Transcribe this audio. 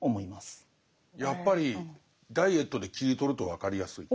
やっぱりダイエットで切り取ると分かりやすい。